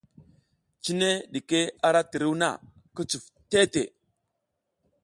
Cine ɗike a ra tiruw na, ka cuf teʼe teʼe.